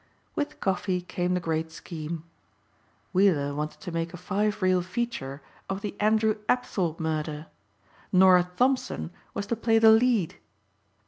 With coffee came the great scheme. Weiller wanted to make a five reel feature of the Andrew Apthorpe murder. Norah Thompson was to play the lead!